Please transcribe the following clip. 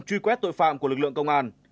truy quét tội phạm của lực lượng công an